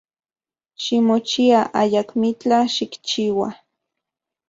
Ximochia, ayakmitlaj xikchiua.